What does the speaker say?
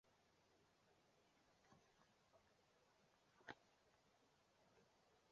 贡山栎为壳斗科栎属下的一个种。